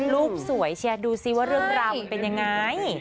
รูปสวยดูซิว่าเรื่องราวมันเป็นยังไง